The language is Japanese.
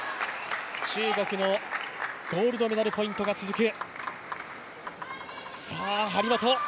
中国のゴールドメダルポイントが続く。